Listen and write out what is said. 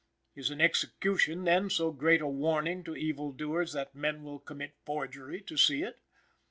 Is an execution, then, so great a warning to evil doers, that men will commit forgery to see it?